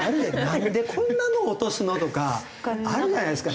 なんでこんなの落とすの？とかあるじゃないですか。